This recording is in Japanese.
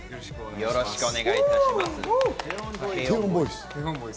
よろしくお願いします。